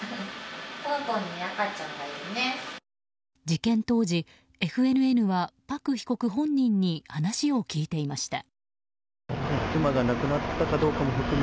事件当時、ＦＮＮはパク被告本人に話を聞いていました。